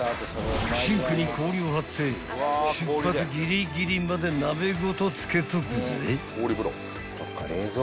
［シンクに氷を張って出発ギリギリまで鍋ごと漬けとくぜ］